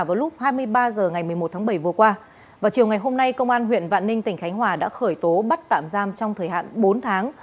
vào lúc hai mươi ba h ngày một mươi một tháng bảy vừa qua vào chiều ngày hôm nay công an huyện vạn ninh tỉnh khánh hòa đã khởi tố bắt tạm giam trong thời hạn bốn tháng